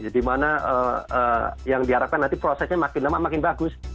dimana yang diharapkan nanti prosesnya makin lama makin bagus